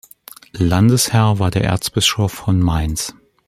Landesherr war der Erzbischof von Mainz.